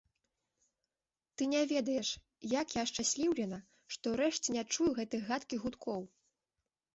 Ты не ведаеш, як я ашчасліўлена, што ўрэшце не чую гэтых гадкіх гудкоў.